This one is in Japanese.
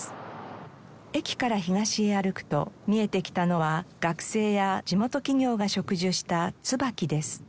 駅から東へ歩くと見えてきたのは学生や地元企業が植樹した椿です。